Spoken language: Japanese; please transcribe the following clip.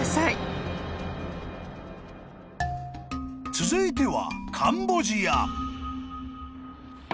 ［続いては］